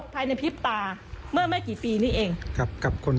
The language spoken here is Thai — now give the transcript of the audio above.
เป็นฉาดชินสกุล